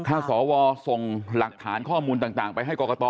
ถ้าสวส่งหลักฐานข้อมูลต่างไปให้กรกต